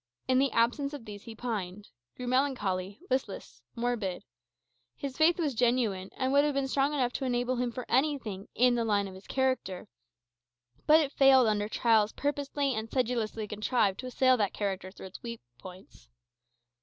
In the absence of these he pined grew melancholy, listless, morbid. His faith was genuine, and would have been strong enough to enable him for anything in the line of his character; but it failed under trials purposely and sedulously contrived to assail that character through its weak points.